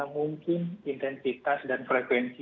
mungkin intensitas dan frekuensi